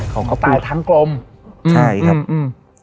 เขาก็พูดเขาตายท้องกลมอืมใช่ครับอืมอืม